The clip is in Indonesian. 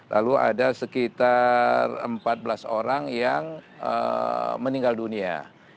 lalu ada sekitar empat belas orang yang meninggal dunia